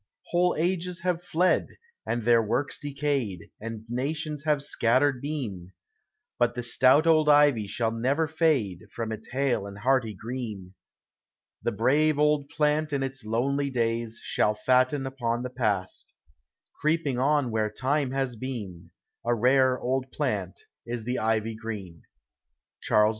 Whole ages have fled, and their works decayed, And nations have scattered been; But the stout old ivy shall never fade From its hale and hearty green. The brave old plant in its lonely days Shall fatten upon the past; For the stateliest building man can raise Is the ivy 's food at last.